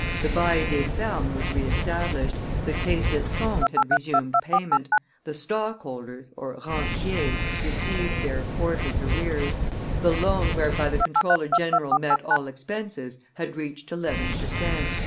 The bail des fermes was re established, the Caisse d'escompte had resumed payment, the stockholders (rentiers) received their quarters' arrears, the loan whereby the comptroller general met all expenses had reached eleven per cent.